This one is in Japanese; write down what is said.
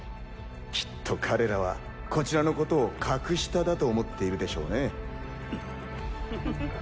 きっと彼らはこちらのことを格下だと思っているでしょうね。